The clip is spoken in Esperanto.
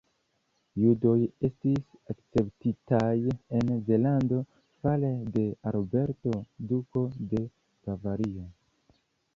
Judoj estis akceptitaj en Zelando fare de Alberto, Duko de Bavario.